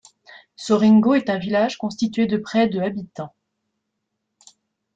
Soringho est un village constitué de près de habitants.